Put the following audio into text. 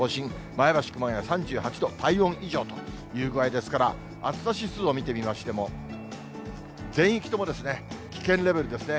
前橋、熊谷、３８度、体温以上という具合ですから、暑さ指数を見てみましても、全域とも危険レベルですね。